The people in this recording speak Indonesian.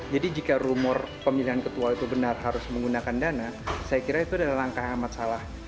jadi jika rumor pemilihan ketua itu benar harus menggunakan dana saya kira itu adalah langkah yang amat salah